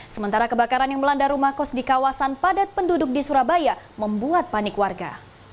sementara kebakaran yang melanda rumah kos di kawasan padat penduduk di surabaya membuat panik warga